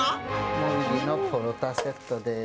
ムルギーのポルタセットです。